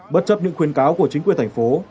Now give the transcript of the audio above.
bất chấp những khuyên cáo của chính quyền thành phố